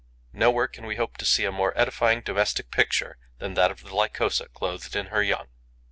Nowhere can we hope to see a more edifying domestic picture than that of the Lycosa clothed in her young.